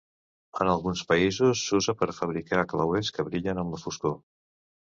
En alguns països, s'usa per a fabricar clauers que brillen en la foscor.